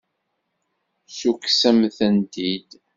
Ssukksemt-tent-id.